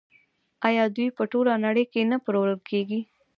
آیا دوی په ټوله نړۍ کې نه پلورل کیږي؟